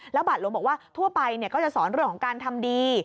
บาทหลวงบอกว่าทั่วไปก็จะสอนเรื่องของการทำดี